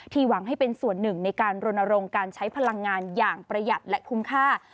หวังให้เป็นส่วนหนึ่งในการรณรงค์การใช้พลังงานอย่างประหยัดและคุ้มค่า